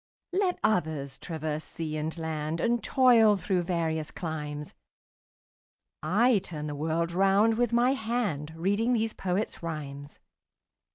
Let others traverse sea and land, And toil through various climes, 30 I turn the world round with my hand Reading these poets' rhymes.